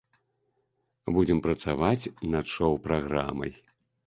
Будзем працаваць над шоў-праграмай.